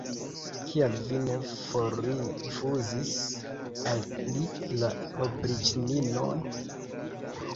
Kial vi ne forrifuzis al li la opriĉnino'n?